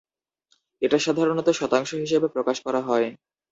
এটা সাধারণত শতাংশ হিসেবে প্রকাশ করা হয়।